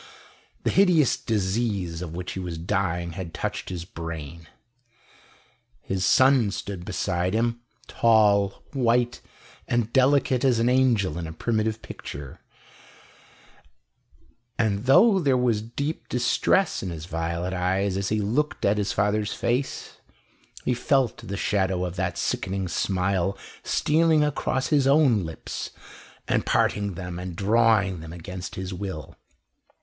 The hideous disease of which he was dying had touched his brain. His son stood beside him, tall, white and delicate as an angel in a primitive picture; and though there was deep distress in his violet eyes as he looked at his father's face, he felt the shadow of that sickening smile stealing across his own lips and parting them and drawing them against his will.